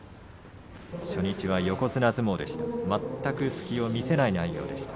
初日、横綱相撲でした。